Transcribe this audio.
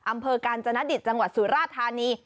อำเภอกาญจนดิตจังหวัดสุราธานี